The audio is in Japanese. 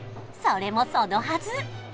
それもそのはず